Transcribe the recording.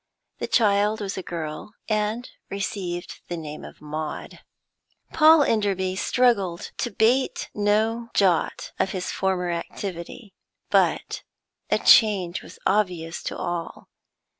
The child was a girl and received the name of Maud. Paul Enderby struggled to bate no jot of his former activity, but a change was obvious to all.